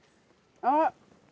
あっ！